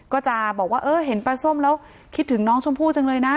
ก็จะบอกว่าเออเห็นปลาส้มแล้วคิดถึงน้องชมพู่จังเลยนะ